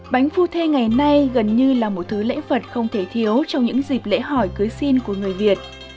bánh phu thê ngày nay gần như là một thứ lễ vật không thể thiếu trong những dịp lễ hỏi cưới xin của người việt